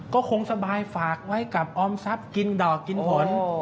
ก็คงสบายฝากไว้กับออมทรัพย์กินดอกกินผล